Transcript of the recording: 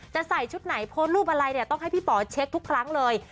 ใส่ชุดไหนโพสต์รูปอะไรเนี่ยต้องให้พี่ป๋อเช็คทุกครั้งเลย